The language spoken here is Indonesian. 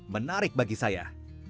menarik bagi saya